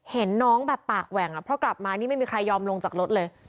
เห็นน้องแบบปากแหว่งเพราะกลับมานี่ไม่มีใครยอมลงจากรถเลย